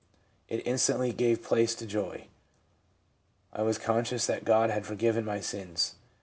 It instantly gave place to joy. I was conscious that God had forgiven my sins.